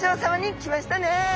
来ましたね！